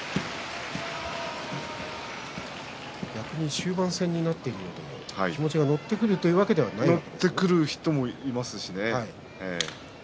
終盤戦になってくると気持ちが乗ってくるというわけではないんですか？